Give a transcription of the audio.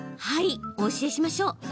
はいお教えしましょう。